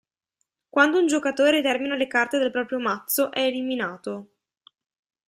Quando un giocatore termina le carte del proprio mazzo, è eliminato.